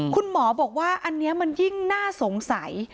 คุณหมอบอกว่าอันนี้มันยิ่งน่าสงสัย